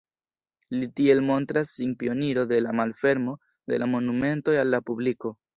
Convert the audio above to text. Li tiel montras sin pioniro de la malfermo de la monumentoj al la publiko.